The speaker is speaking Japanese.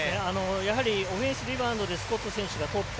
やはりオフェンスリバウンドでスコット選手がとった。